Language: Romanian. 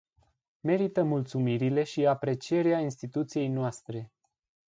Merită mulțumirile și aprecierea instituției noastre.